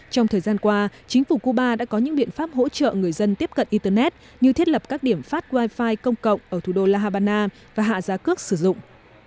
trong thời gian qua chính phủ cuba đã có những biện pháp hỗ trợ người dân tiếp cận internet như thiết lập các điểm phát wi fi công cộng ở thủ đô la habana và hạ giá cước sử dụng